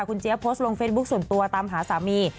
คุณเจี๊ยบโพสต์ลงเฟซบุ๊คส่วนตัวตามหาสามี